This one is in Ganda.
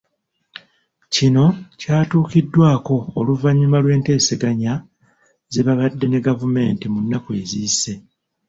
Kino kyatuukiddwako oluvannyuma lw'enteeseganya ze baabadde ne gavumenti munaku eziyise.